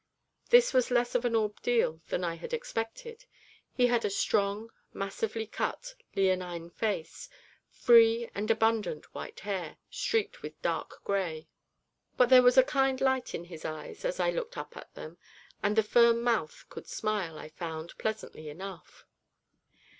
This was less of an ordeal than I had expected; he had a strong, massively cut, leonine face, free and abundant white hair, streaked with dark grey, but there was a kind light in his eyes as I looked up at them, and the firm mouth could smile, I found, pleasantly enough.